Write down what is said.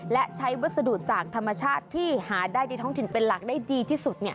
และใช้วัสดุจากธรรมชาติที่หาได้ในท้องถิ่นเป็นหลักได้ดีที่สุด